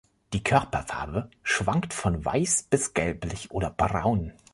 Die Körperfarbe schwankt von weiß bis gelblich oder braun.